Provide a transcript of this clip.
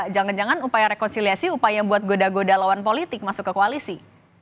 jangan jangan upaya rekonsiliasi upaya buat goda goda lawan politik masuk ke koalisi